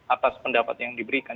atas pendapat yang diberikan